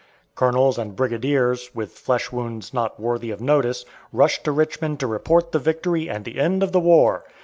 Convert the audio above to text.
Colonels and brigadiers, with flesh wounds not worthy of notice, rushed to Richmond to report the victory and the end of the war!